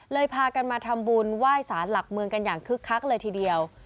พากันมาทำบุญไหว้สารหลักเมืองกันอย่างคึกคักเลยทีเดียว